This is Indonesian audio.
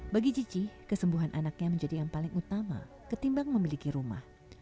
bagi cici kesembuhan anaknya menjadi yang paling utama ketimbang memiliki rumah